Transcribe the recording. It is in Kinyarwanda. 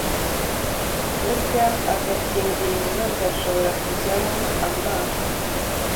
Burya agakingirizo gashobora kujyamo amazi